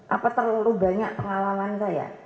apa terlalu banyak pengalaman saya